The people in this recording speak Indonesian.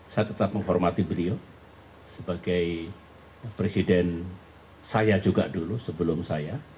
saya tetap menghormati beliau sebagai presiden saya juga dulu sebelum saya